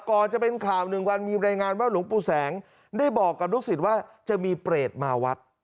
ก่อนจะเป็นข่าวหนึ่งวันมีรายงานว่าหลวงปู่แสงได้บอกกับลูกศิษย์ว่าจะมีเปรตมาวัด